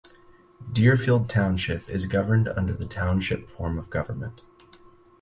Deerfield Township is governed under the Township form of government.